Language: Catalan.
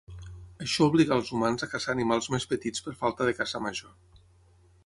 Això obligà als humans a caçar animals més petits per falta de caça major.